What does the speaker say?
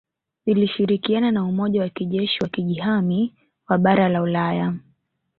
Zilishirikiana na Umoja wa kijeshi wa Kujihami wa bara la Ulaya